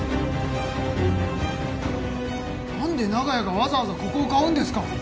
なんで長屋がわざわざここを買うんですか！？